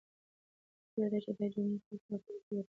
هيله ده چې دا جملې ستاسو لپاره په زړه پورې وي.